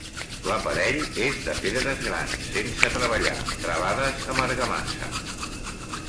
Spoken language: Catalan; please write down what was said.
L'aparell és de pedres grans, sense treballar, travades amb argamassa.